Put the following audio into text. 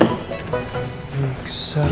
itu di bawah